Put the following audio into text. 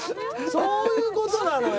そういう事なのよ。